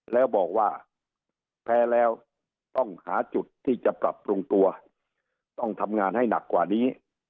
แล้วบอกว่าแพ้แล้วต้องหาจุดที่จะปรับปรุงตัวต้องทำงานให้หนักกว่านี้